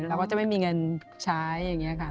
เราก็จะไม่มีเงินใช้อย่างนี้ค่ะ